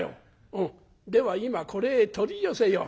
「うんでは今これへ取り寄せよう」。